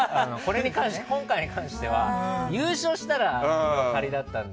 今回に関しては優勝したらの仮だったので。